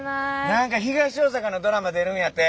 何か東大阪のドラマ出るんやて。